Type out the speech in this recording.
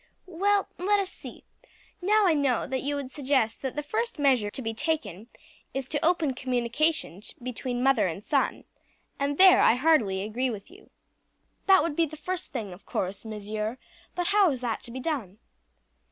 "Well, let us see. Now I know that you would suggest that the first measure to be taken is to open communication between mother and son, and there I heartily agree with you." "That would be the first thing of course, monsieur; but how is that to be done?"